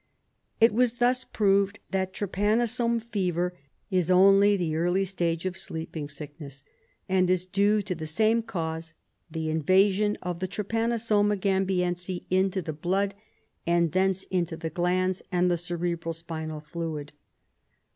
It was thus proved that trypanosome fever is only the early stage of sleej)ing sickness, and is due to the same cause, the invasion of the Trypanosoma gamhiense into the blood, and thence into the glands and the cerebro spinal fluid.